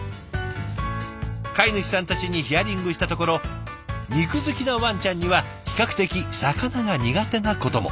飼い主さんたちにヒアリングしたところ肉好きなワンちゃんには比較的魚が苦手なことも。